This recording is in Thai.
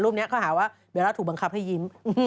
นี้เขาหาว่าเบลล่าถูกบังคับให้ยิ้ม